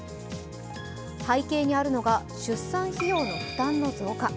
背景にあるのが出産費用の負担の増加。